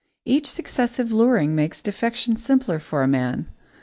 Each successive luring makes defection simpler for a man.